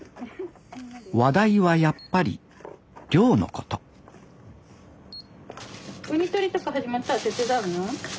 話題はやっぱり漁のことウニ取りとか始まったら手伝うの？